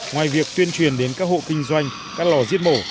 ngoài việc tuyên truyền đến các hộ kinh doanh các lò giết mổ